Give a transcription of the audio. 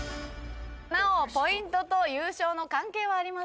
なおポイントと優勝の関係はありません。